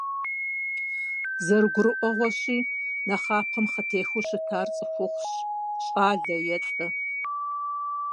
ЗэрыгурыӀуэгъуэщи, нэхъапэм хъытехыу щытар цӀыхухъущ, щӀалэ е лӀы.